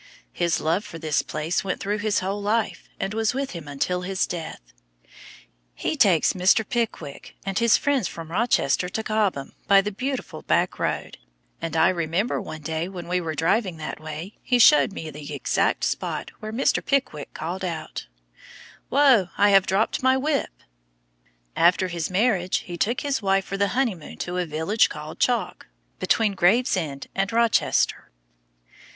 His love for this place went through his whole life, and was with him until his death. He takes "Mr. Pickwick" and his friends from Rochester to Cobham by the beautiful back road, and I remember one day when we were driving that way he showed me the exact spot where "Mr. Pickwick" called out: "Whoa, I have dropped my whip!" After his marriage he took his wife for the honeymoon to a village called Chalk, between Gravesend and Rochester.